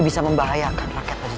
dia tidak akan lari dari sini